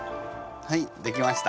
はいできました。